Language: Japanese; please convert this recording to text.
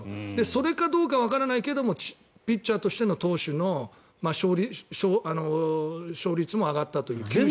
それかどうかわからないけどピッチャーとしての投手の勝率も上がったという。